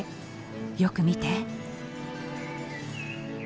よく見て。